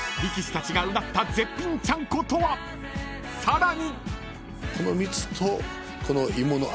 ［さらに］